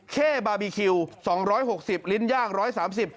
เข้บาร์บีคิว๒๖๐ลิ้นย่าง๑๓๐บาท